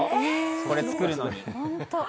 これを作るのに。